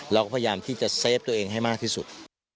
เราก็พยายามที่จะเซฟตัวเองให้มากที่สุด